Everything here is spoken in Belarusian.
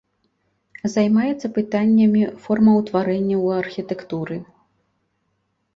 Займаецца пытаннямі формаўтварэння ў архітэктуры.